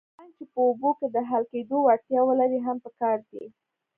رنګ چې په اوبو کې د حل کېدو وړتیا ولري هم پکار دی.